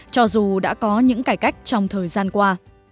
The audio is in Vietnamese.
cho dù đã có những cải cách trong thời gian qua